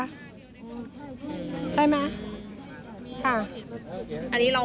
อันนี้มา๔องค์เลยค่ะ